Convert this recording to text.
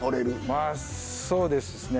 まあそうですね。